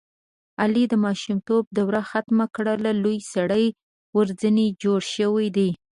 علي د ماشومتوب دروه ختمه کړله لوی سړی ورځنې جوړ شوی دی.